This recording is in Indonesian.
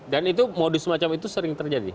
dan itu modus macam itu sering terjadi